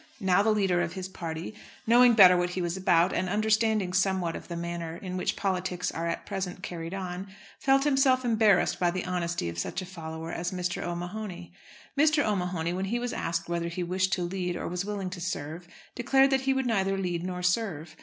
Now the leader of his party, knowing better what he was about, and understanding somewhat of the manner in which politics are at present carried on, felt himself embarrassed by the honesty of such a follower as Mr. O'Mahony. Mr. O'Mahony, when he was asked whether he wished to lead or was willing to serve, declared that he would neither lead nor serve.